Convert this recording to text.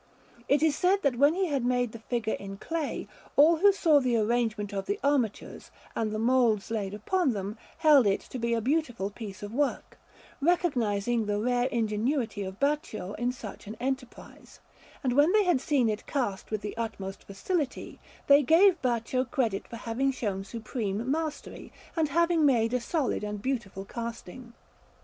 It is said that when he had made the figure in clay, all who saw the arrangement of the armatures, and the moulds laid upon them, held it to be a beautiful piece of work, recognizing the rare ingenuity of Baccio in such an enterprise; and when they had seen it cast with the utmost facility, they gave Baccio credit for having shown supreme mastery, and having made a solid and beautiful casting.